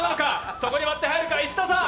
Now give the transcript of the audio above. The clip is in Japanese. そこに割って入るか石田さん。